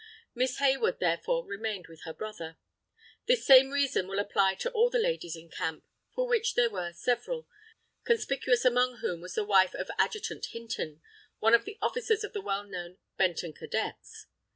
Miss Hayward, therefore, remained with her brother. This same reason will apply to all the ladies in camp, of which there were several—conspicuous among whom was the wife of Adjutant Hinton, one of the officers of the well known "Benton Cadets."